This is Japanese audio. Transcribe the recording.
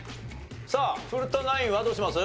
さあ古田ナインはどうします？